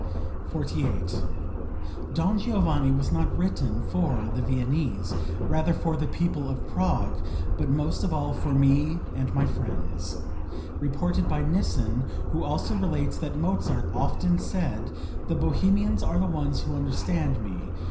48. "'Don Giovanni' was not written for the Viennese; rather for the people of Prague, but most of all for me and my friends." (Reported by Nissen, who also relates that Mozart often said "The Bohemians are the ones who understand me."